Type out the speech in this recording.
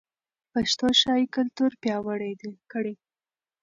پښتو ښايي کلتور پیاوړی کړي.